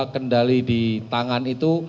kendali di tangan itu